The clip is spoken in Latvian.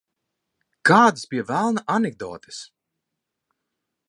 Kādas, pie velna, anekdotes?